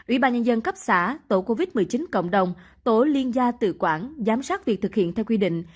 ủy ban nhân dân cấp xã tổ covid một mươi chín cộng đồng tổ liên gia tự quản giám sát việc thực hiện theo quy định